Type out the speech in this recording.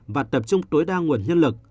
và tập trung tối đa nguồn nhân lực